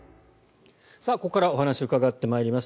ここからお話を伺ってまいります。